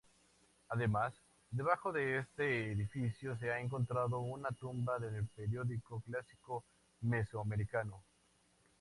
Además, debajo de este edificio se ha encontrado una tumba del Período Clásico mesoamericano.